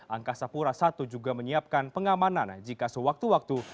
angkasa pura i juga menyiapkan pengamanan jika sewaktu waktu